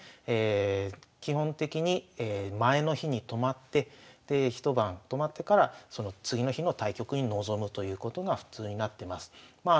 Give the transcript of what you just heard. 基本的に前の日に泊まってで一晩泊まってからその次の日の対局に臨むということが普通になってます。